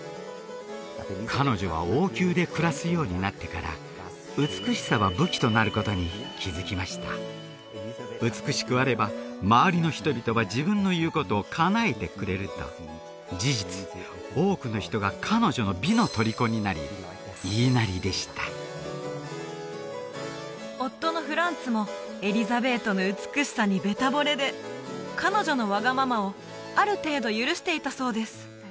彼女は王宮で暮らすようになってから美しさは武器となることに気づきました美しくあれば周りの人々は自分の言うことをかなえてくれると事実多くの人が彼女の美のとりこになり言いなりでした夫のフランツもエリザベートの美しさにベタぼれで彼女のわがままをある程度許していたそうです